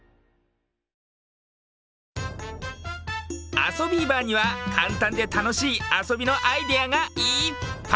「あそビーバー」にはかんたんでたのしいあそびのアイデアがいっぱい！